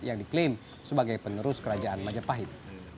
yang diklaim sebagai penerus kerajaan majapahit